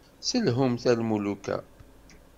Selhumt-t a lmuluka.